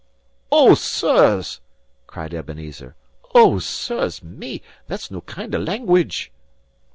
"O, sirs!" cried Ebenezer. "O, sirs, me! that's no kind of language!"